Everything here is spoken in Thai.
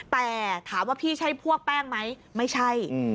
แต่ถามว่าพี่ใช่พวกแป้งไหมไม่ใช่